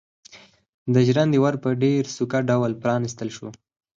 د ژرندې ور په ډېر سوکه ډول پرانيستل شو.